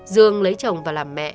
dương lấy chồng và làm mẹ